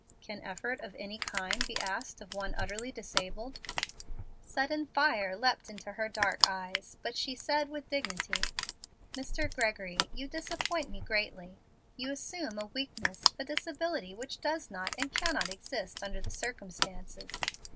"Can effort of any kind be asked of one utterly disabled?" Sudden fire leaped into her dark eyes, but she said, with dignity, "Mr. Gregory, you disappoint me greatly. You assume a weakness a disability which does not and cannot exist under the circumstances.